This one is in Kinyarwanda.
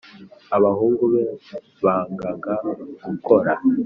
Abahungu be bangaga gukora.